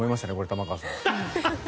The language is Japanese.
玉川さん。